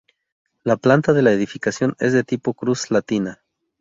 La planta de la edificación es de tipo cruz latina.